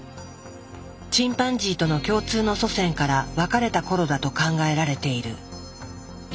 チンパンジーとの共通の祖先から分かれた頃だと考えられている。